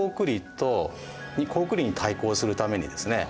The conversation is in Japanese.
高句麗に対抗するためにですね